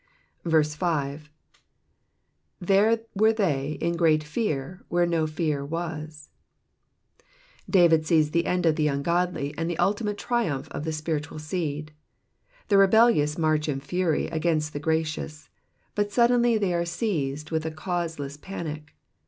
5. '^ There were they in great fear^ where no fear w<m." David sees the end of the ungodly, and the ultimate triumph of the spiritual seed. The rebellious march in fury against the gracious, but suddenly they are seized with a cause less panic.